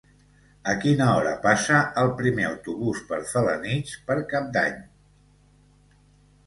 A quina hora passa el primer autobús per Felanitx per Cap d'Any?